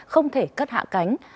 không thể cất hạ cánh